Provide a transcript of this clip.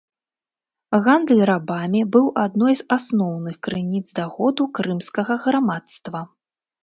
Гандаль рабамі быў адной з асноўных крыніц даходу крымскага грамадства.